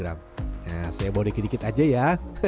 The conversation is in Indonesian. saya bawa sedikit sedikit aja ya